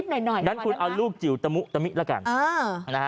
งั้นคุณเอาลูกจิ๋วตะมุตะมิละกัน